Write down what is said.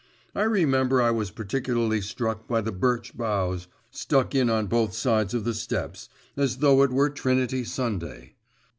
I remember I was particularly struck by the birch boughs stuck in on both sides of the steps, as though it were Trinity Sunday.